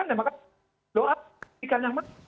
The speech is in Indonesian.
penyelidikan yang baru